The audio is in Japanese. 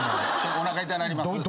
おなか痛なりますそれは。